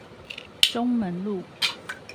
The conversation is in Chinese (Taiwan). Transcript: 中門路